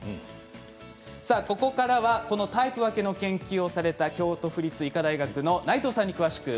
さあここからはこのタイプ分けの研究をされた京都府立医科大学の内藤さんに詳しくお聞きしていきます。